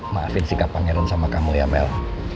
maafin sikap pangeran sama kamu ya mel